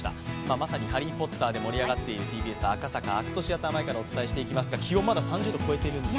まさに「ハリー・ポッター」で盛り上がっている赤坂ＡＣＴシアター前からお伝えしてまいりますが気温まだ３０度を超えているんです。